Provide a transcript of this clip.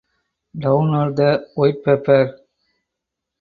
Download the White Paper